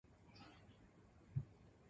米沢牛はとても美味しかった